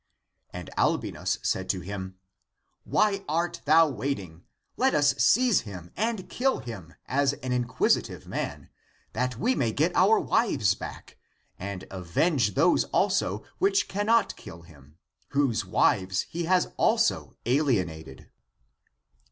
'^^ And Albinus said to him,"^^ "Why art thou waiting? '^^ Let us seize him and kill him as an inquisitive man, that we may get our wives back, and avenge those also, which cannot kill him, whose wives he has also alienated."